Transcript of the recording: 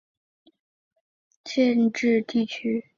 霍格乔是一个位于美国阿拉巴马州马歇尔县的非建制地区。